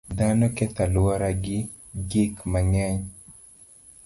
Dhano ketho alwora gi gik mang'eny.